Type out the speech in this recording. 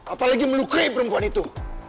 apalagi melukai perempuan itu